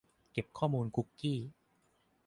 เก็บข้อมูลคุกกี้